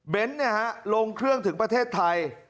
เบนส์เนี่ยลงเครื่องถึงประเทศไทย